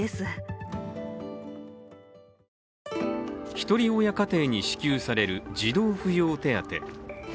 ひとり親家庭に支給される児童扶養手当。